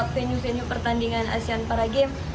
venue venue pertandingan asean paragame